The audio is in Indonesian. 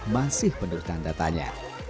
masih penuh tanda tanya